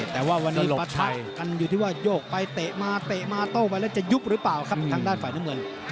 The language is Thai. แต่ว่าวันนี้ปะทะกันอยู่ที่ว่าโยกไปเตะมาเตะมาโต้ไปแล้วจะยุบหรือเปล่าครับทางด้านฝ่ายน้ำเงิน